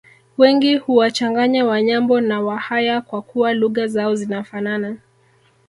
Wengi huwachanganya Wanyambo na wahaya kwa kuwa lugha zao zinafanana